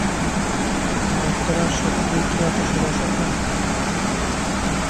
ডাক্তাররা সত্যিই কি এতো সুদর্শন হয়?